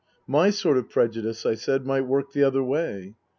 " My sort of prejudice," I said, " might work the other way."